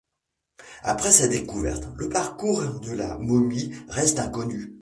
Après sa découverte, le parcours de la momie reste inconnu.